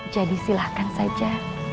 jadi silakan saja